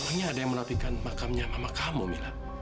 emangnya ada yang merapikan makamnya mama kamu mila